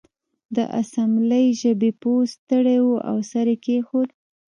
د اسامبلۍ ژبې پوه ستړی و او سر یې کیښود